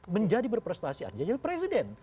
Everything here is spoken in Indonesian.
menjadi berprestasi artinya jadi presiden